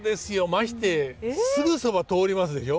ましてすぐ側通りますでしょ。